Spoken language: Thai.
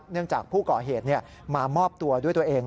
จากผู้ก่อเหตุมามอบตัวด้วยตัวเอง